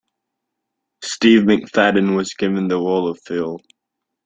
Steve McFadden was given the role of Phil.